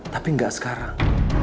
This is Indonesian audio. tapi gak sekarang